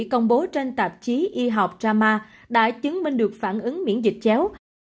công bố trên tạp chí y học rama đã chứng minh được phản ứng miễn dịch chéo